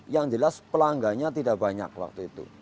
yang jelas pelanggannya tidak banyak waktu itu